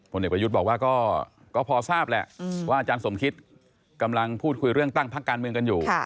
เด็กประยุทธ์บอกว่าก็พอทราบแหละว่าอาจารย์สมคิตกำลังพูดคุยเรื่องตั้งพักการเมืองกันอยู่